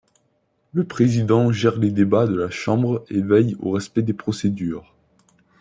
Le président gère les débats de la Chambre, et veille au respect des procédures.